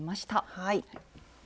はい。